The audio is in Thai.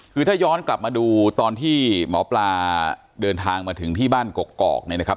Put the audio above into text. คือถ้าย้อนกลับมาดูตอนที่หมอปลาเดินทางมาถึงที่บ้านกกอกเนี่ยนะครับ